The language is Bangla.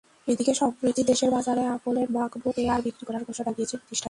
এদিকে, সম্প্রতি দেশের বাজারে অ্যাপলের ম্যাকবুক এয়ার বিক্রি করার ঘোষণা দিয়েছে প্রতিষ্ঠানটি।